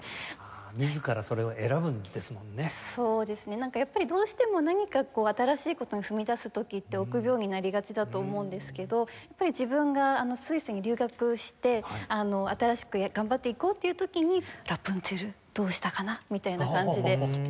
なんかやっぱりどうしても何か新しい事に踏み出す時って臆病になりがちだと思うんですけどやっぱり自分がスイスに留学して新しく頑張っていこうっていう時にラプンツェルどうしたかな？みたいな感じで。